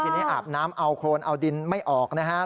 ทีนี้อาบน้ำเอาโครนเอาดินไม่ออกนะครับ